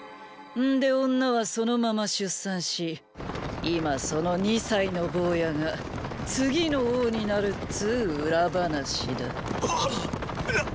んで女はそのまま出産し今その二歳の坊やが次の王になるっつー裏話だ。っ！！